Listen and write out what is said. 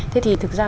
thế thì thực ra